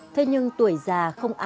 thế nhưng tuổi già không thể tìm ra